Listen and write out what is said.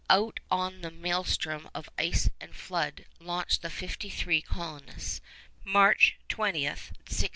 Out on the maelstrom of ice and flood launched the fifty three colonists, March 20, 1658.